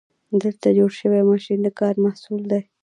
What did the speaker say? دلته جوړ شوی ماشین د کار محصول دی.